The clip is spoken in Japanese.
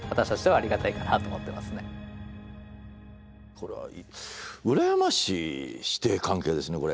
これはうらやましい師弟関係ですねこれ。